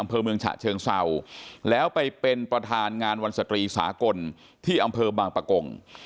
อำเภอเมืองฉะเชิงเศร้าแล้วไปเป็นประธานงานวันสตรีสากลที่อำเภอบางปะกง